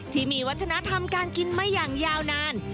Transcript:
ที่มีวัฒนธรรมการกินมาอย่างยาวนาน